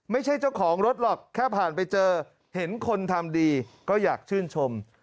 ไม่ใช่เจ้าของรถหรอกแค่ผ่านไปเจอเห็นคนทำดีก็อยากชื่นชม